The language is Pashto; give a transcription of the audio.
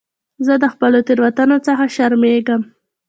زه د خپلو تېروتنو څخه شرمېږم.